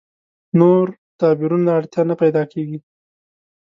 نور تعبیرونو اړتیا نه پیدا کېږي.